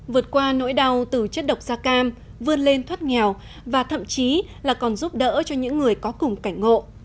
vượt qua nỗi đau từ chất độc da cam vươn lên thoát nghèo và thậm chí là còn giúp đỡ cho những người có cùng cảnh ngộ